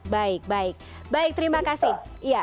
baik baik baik terima kasih